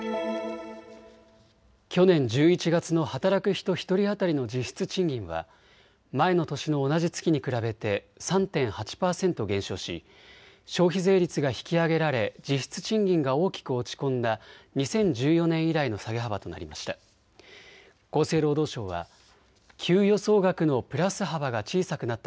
去年１１月の働く人１人当たりの実質賃金は前の年の同じ月に比べて３．８％減少し、消費税率が引き上げられ実質賃金が大きく落ち込んだ２０１４年以来の下げ幅となりました。